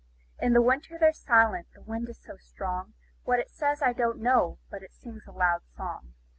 In the winter they're silent the wind is so strong; What it says, I don't know, but it sings a loud song.